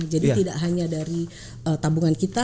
jadi tidak hanya dari tabungan kita